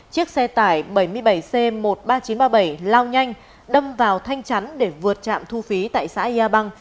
chiếc xe tải bảy mươi bảy c một mươi ba nghìn chín trăm ba mươi bảy lao nhanh đâm vào thanh chắn để vượt trạm thu phí tại xã yà băng